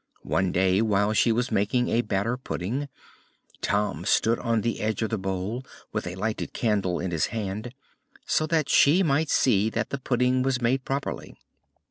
One day, while she was making a batter pudding, Tom stood on the edge of the bowl, with a lighted candle in his hand, so that she might see that the pudding was made properly.